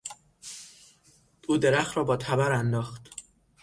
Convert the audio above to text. او درخت را با تبر انداخت.